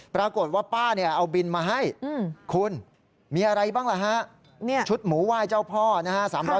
ปรากฏว่าป้าเนี่ยเอาบินมาให้คุณมีอะไรบ้างล่ะฮะชุดหมูไหว้เจ้าพ่อนะฮะ